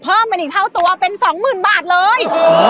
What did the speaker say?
เพิ่มเป็นอีกเท่าตัวเป็น๒๐๐๐บาทเลย